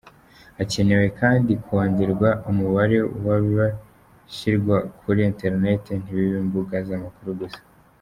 Hakenewe kandi kongerwa umubare w’ibishyirwa kuri interineti ntibibe imbuga z’amakuru gusa.